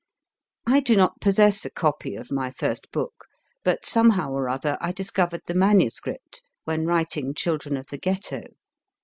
I do not possess a copy of my first book, but somehow or other I discovered the MS. when writing * Children of the Ghetto.